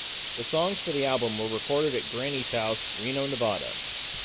The songs for the album were recorded at Granny's House, Reno, Nevada.